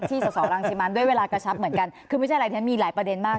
สสรังชิมันด้วยเวลากระชับเหมือนกันคือไม่ใช่อะไรฉันมีหลายประเด็นมาก